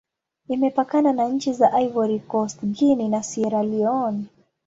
Imepakana na nchi za Ivory Coast, Guinea, na Sierra Leone.